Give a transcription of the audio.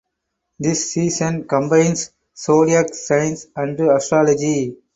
This season combines zodiac signs and astrology.